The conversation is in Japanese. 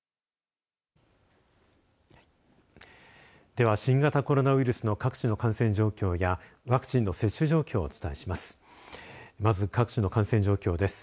では新型コロナウイルスの各地の感染状況やワクチンの接種状況をお伝えします。